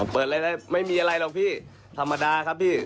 เปิดอะไรได้ไม่มีอะไรหรอกพี่ธรรมดาครับพี่